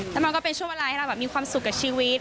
แล้วมันก็เป็นช่วงเวลาที่เราแบบมีความสุขกับชีวิต